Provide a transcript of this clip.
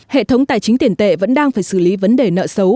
hệ thống tài chính tiền tệ vẫn đang phải xử lý vấn đề nợ xấu